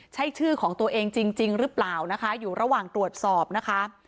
ใช่ชื่อของตัวเองจริงหรือเปล่านะคะอยู่ระหว่างตรวจสอบนะคะ